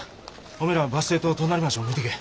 おめえらはバス停と隣町も見てけえ。